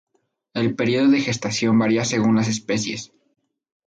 El período de gestación varía según las especies.